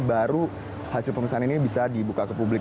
baru hasil pemeriksaan ini bisa dibuka ke publik